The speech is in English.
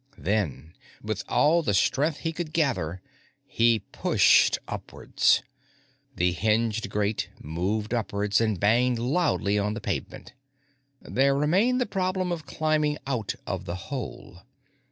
Then, with all the strength he could gather, he pushed upwards. The hinged grate moved upwards and banged loudly on the pavement. There remained the problem of climbing out of the hole.